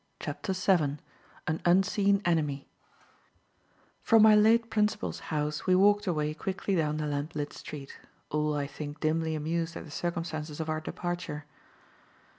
CHAPTER VII AN UNSEEN ENEMY FROM my late principal's house we walked away quickly down the lamplit street, all, I think, dimly amused at the circumstances of our departure.